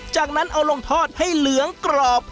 จากนั้นเอาลงทอดให้เหลืองกรอบ